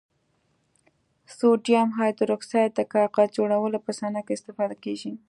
سوډیم هایدروکسایډ د کاغذ جوړولو په صنعت کې استفاده کیږي.